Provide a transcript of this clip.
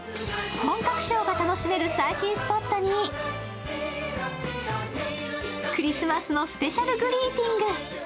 本格ショーが楽しめる最新スポットにクリスマスのスペシャルグリーティング。